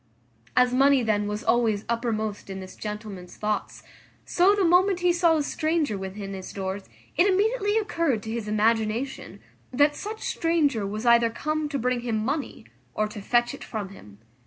As money then was always uppermost in this gentleman's thoughts, so the moment he saw a stranger within his doors it immediately occurred to his imagination, that such stranger was either come to bring him money, or to fetch it from him.